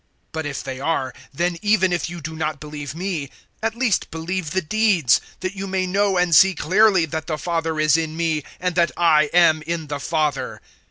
010:038 But if they are, then even if you do not believe me, at least believe the deeds, that you may know and see clearly that the Father is in me, and that I am in the Father."